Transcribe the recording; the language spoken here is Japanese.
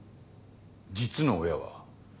実の親は？